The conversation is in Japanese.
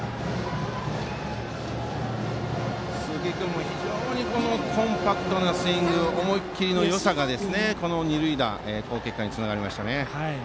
鈴木君も非常にコンパクトなスイング思い切りのよさがこの二塁打という好結果につながりましたね。